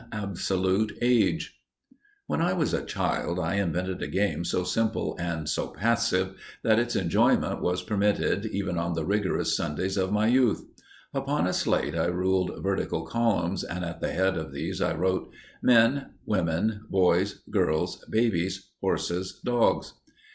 *Absolute Age* When I was a child, I invented a game so simple and so passive, that its enjoyment was permitted even on the rigorous Sundays of my youth. Upon a slate I ruled vertical columns, and at the head of these I wrote: "Men, women, boys, girls, babies, horses, dogs."